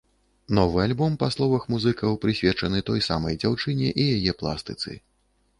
Новы альбом, па словах музыкаў, прысвечаны той самай дзяўчыне і яе пластыцы.